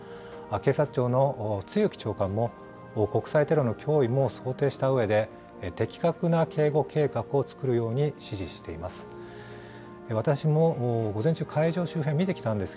警察庁のつゆき長官も、国際テロの脅威も想定したうえで、的確な警護計画を作るように指示しています。